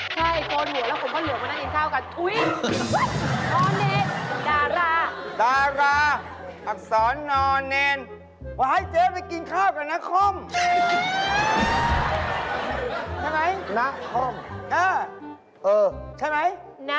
ใช่โกนหัวแล้วผมก็เหลือว่าน่าเย็นข้าวกัน